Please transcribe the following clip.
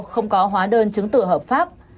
không có hóa đơn chứng tử hợp pháp